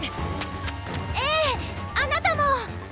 ええあなたも！